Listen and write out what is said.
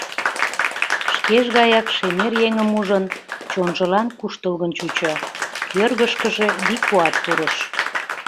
Шкеж гаяк шемер еҥым ужын, чонжылан куштылгын чучо, кӧргышкыжӧ вий-куат пурыш.